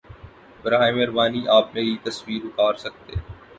براہ مہربانی آپ میری تصویر اتار سکتے